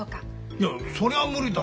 いやそれは無理だ。